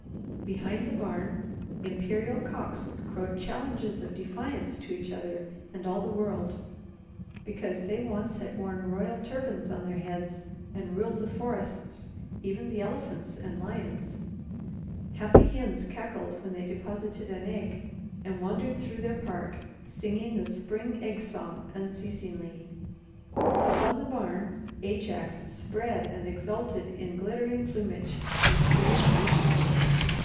Behind the barn imperial cocks crowed challenges of defiance to each other and all the world, because they once had worn royal turbans on their heads, and ruled the forests, even the elephants and lions. Happy hens cackled when they deposited an egg, and wandered through their park singing the spring egg song unceasingly. Upon the barn Ajax spread and exulted in glittering plumage, and screamed viciously.